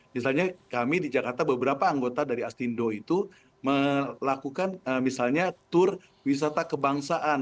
misalnya kami di jakarta beberapa anggota dari astindo itu melakukan misalnya tour wisata kebangsaan